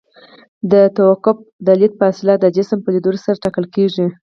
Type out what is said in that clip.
د توقف د لید فاصله د جسم په لیدلو سره ټاکل کیږي